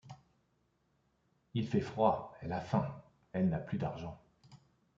Il fait froid, elle a faim, elle n’a plus d’argent.